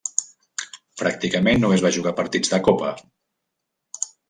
Pràcticament només va jugar partits de Copa.